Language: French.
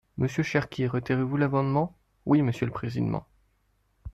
Monsieur Cherki, retirez-vous l’amendement ? Oui, monsieur le président.